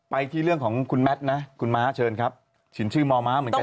ที่เรื่องของคุณแมทนะคุณม้าเชิญครับฉินชื่อมอม้าเหมือนกัน